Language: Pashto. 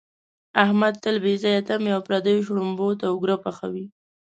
احمد تل بې ځایه تمې او پردیو شړومبو ته اوګره پحوي.